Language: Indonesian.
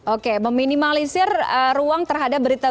oke meminimalisir ruang terhadap berita berita